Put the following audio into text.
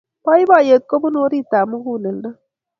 poipoiyet kopunu aritit ap mukuleldo